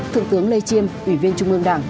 thượng tướng lê chiêm ủy viên trung ương đảng